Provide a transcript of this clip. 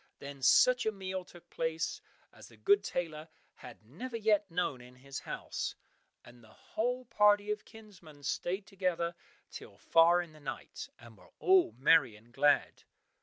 Then such a meal took place as the good tailor had never yet known in his house, and the whole party of kinsmen stayed together till far in the night, and were all merry and glad.